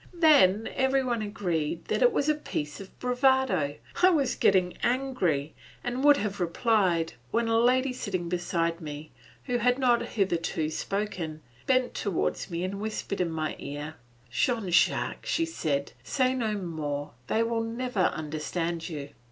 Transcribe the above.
Then every one agreed that it was a piece of bravado. I was getting angry, and would have replied, when a lady sitting beside me, who had not hitherto spoken, bent towards me and whispered in my ear. "Jean Jacques," said she, "say no more, they will never understand you."